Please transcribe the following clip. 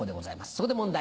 そこで問題